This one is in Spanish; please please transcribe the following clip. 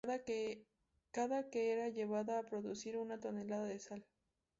Cada era llegaba a producir una tonelada de sal.